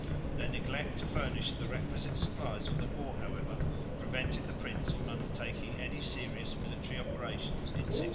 Their neglect to furnish the requisite supplies for the war, however, prevented the prince from undertaking any serious military operations in 1630.